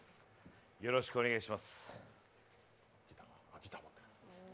よろしくお願いします。